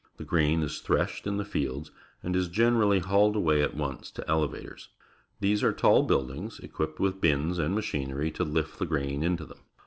The grain is threshed in the fields and is generally hauled away at once to elevators. These are tall buildings, equipped with bins and machinery to lift the grain into them.